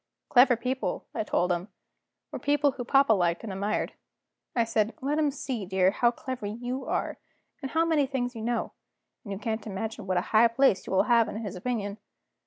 Clever people, I told him, were people whom papa liked and admired. I said: "Let him see, dear, how clever you are, and how many things you know and you can't imagine what a high place you will have in his opinion.